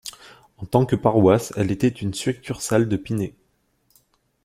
En tant que paroisse elle était une succursale de Piney.